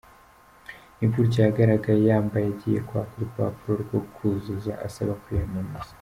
Ni gutya yagaragaye yambaye agiye kwaka urupapuro rwo kuzuza asaba kwiyamamaza.